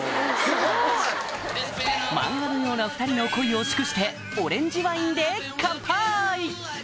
漫画のような２人の恋を祝してオレンジワインでカンパイ！